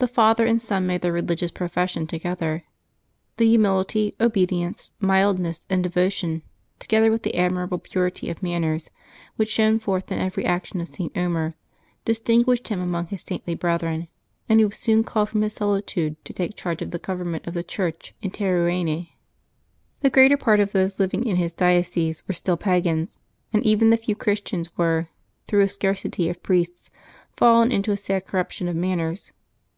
The father and son made their religious profession together. The humility, obedience, mildness, and devotion, together with the ad mirable purity of manners, which shone forth in erery action of St. Omer, distinguished him among his saintly brethren, and he was soon called from his solitude to take charge of the government of the Church in Terouenne. The greater part of those living in his diocese were still pagans, and even the few Christians were, through a scar city of priests, fallen into a sad corruption of manners.